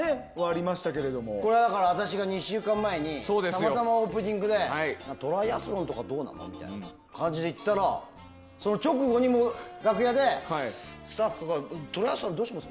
これは私が２週間前にたまたまオープニングでトライアスロンとかどうなのっていう感じで言ったらその直後に楽屋でスタッフがどうします？